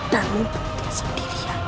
dan mumpung tidak sendirian